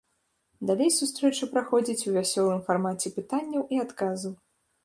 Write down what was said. Далей сустрэча праходзіць у вясёлым фармаце пытанняў і адказаў.